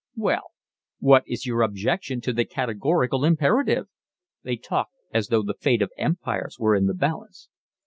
"Well, what is your objection to the Categorical Imperative?" (They talked as though the fate of empires were in the balance.)